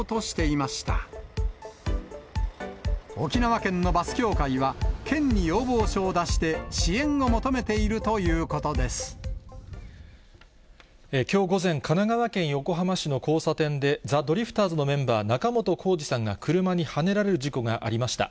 沖縄県のバス協会は、県に要望書を出して、支援を求めているといきょう午前、神奈川県横浜市の交差点で、ザ・ドリフターズのメンバー、仲本工事さんが車にはねられる事故がありました。